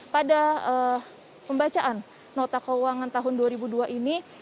pada pembacaan nota keuangan tahun dua ribu dua ini